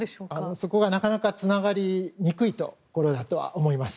そこがなかなかつながりにくいところだとは思います。